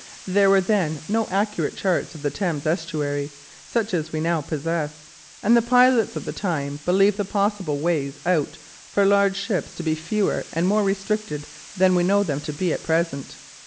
There were then no accurate charts of the Thames estuary such as we now possess, and the pilots of the time believed the possible ways out for large ships to be fewer and more restricted than we know them to be at present.